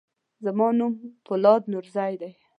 زما نوم فولاد نورزی دی.